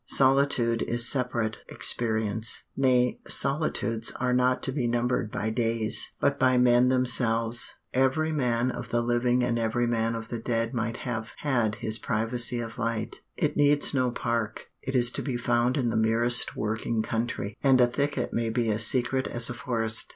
Solitude is separate experience. Nay, solitudes are not to be numbered by days, but by men themselves. Every man of the living and every man of the dead might have had his "privacy of light." It needs no park. It is to be found in the merest working country; and a thicket may be as secret as a forest.